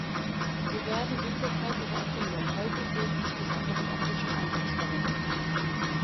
Sie werden wie zur Zeit ihrer Erfindung häufig wegen des besonderen optischen Eindrucks verwendet.